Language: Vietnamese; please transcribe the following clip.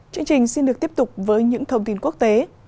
chương trình xin được tiếp tục với những thông tin quốc tế